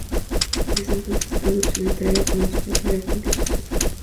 Desde entonces, su producción literaria comenzó a decaer, hasta incluso cesar.